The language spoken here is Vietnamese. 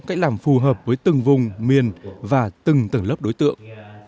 cách làm phù hợp với từng vùng miền và từng tầng lớp đối tượng